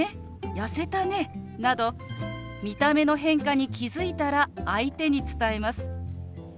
「やせたね」など見た目の変化に気付いたら相手に伝えます。